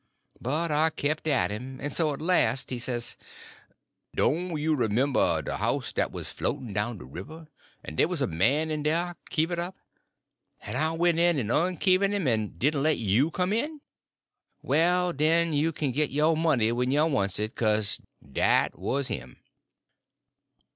But I kept at him; so at last he says: "Doan' you 'member de house dat was float'n down de river, en dey wuz a man in dah, kivered up, en I went in en unkivered him and didn' let you come in? Well, den, you kin git yo' money when you wants it, kase dat wuz him."